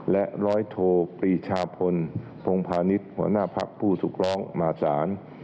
และร้อยโทปรีชาพลพงภานิษฐ์หัวหน้าภักดิ์ผู้สุขร้องมาสาร